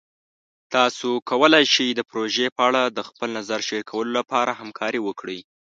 تاسو کولی شئ د پروژې په اړه د خپل نظر شریکولو لپاره همکاري وکړئ.